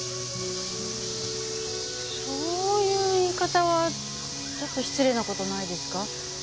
そういう言い方はちょっと失礼な事ないですか？